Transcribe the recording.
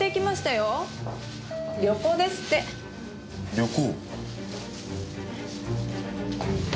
旅行。